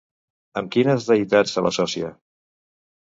Amb quines deïtats se l'associa?